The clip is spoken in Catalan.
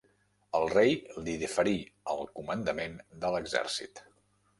El rei li deferí el comandament de l'exèrcit.